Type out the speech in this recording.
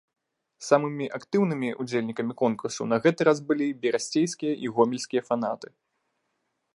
Самымі актыўнымі ўдзельнікамі конкурсу на гэты раз былі берасцейскія і гомельскія фанаты.